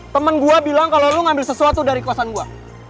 temen gue bilang kalau lo ngambil sesuatu dari kosan gue